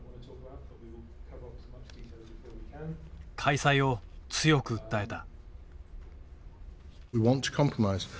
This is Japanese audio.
開催を強く訴えた。